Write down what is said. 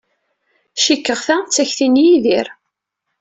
Cikkeɣ ta d takti n diri.